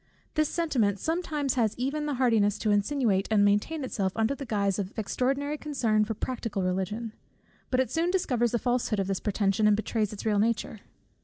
This sentiment sometimes has even the hardiness to insinuate and maintain itself under the guise of extraordinary concern for practical Religion; but it soon discovers the falsehood of this pretension, and betrays its real nature.